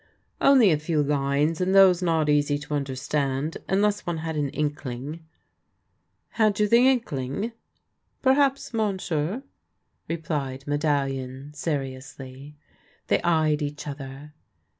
" Only a few lines ; and those not easy to understand, unless one had an inkling." " Had you the inkling? "" Perhaps, monsieur," replied Medallion seriously. They eyed each other.